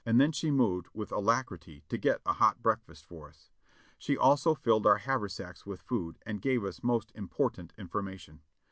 Then she moved with alac rity to get a hot breakfast for us. She also filled our haversacks with food, and gave us most important information.